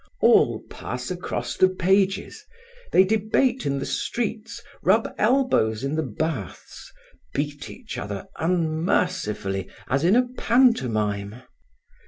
All pass across the pages. They debate in the streets, rub elbows in the baths, beat each other unmercifully as in a pantomime.